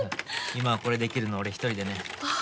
今はこれできるの俺一人でね。